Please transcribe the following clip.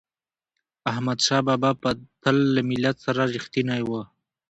احمدشاه بابا به تل له ملت سره رښتینی و.